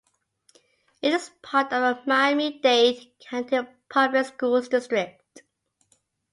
It is part of the Miami-Dade County Public Schools district.